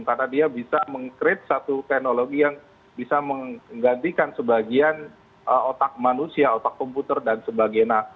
karena dia bisa mengekret satu teknologi yang bisa menggantikan sebagian otak manusia otak komputer dan sebagainya